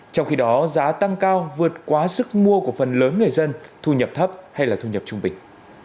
trong khi đó giá tăng cao vượt quá sức mua của phần lớn người dân thu nhập thấp hay là thu nhập trung bình